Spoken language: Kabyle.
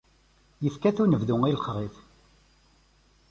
Yefka-tt unebdu i lexrif.